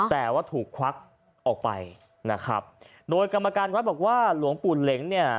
แต่ว่าถูกควักออกไปนะครับโดยกรรมการวัดบอกว่าหลวงปู่เหล็งเนี่ย